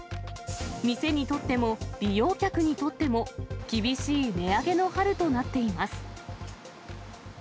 店にとっても、利用客にとっても、厳しい値上げの春となっています。